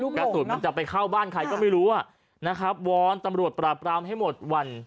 กระสุนมันจะไปเข้าบ้านใครก็ไม่รู้อ่ะนะครับวอนตำรวจปราบรามให้หมดวัน